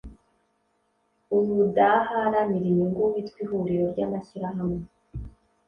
udaharanira inyungu witwa ihuriro ry amashyirahamwe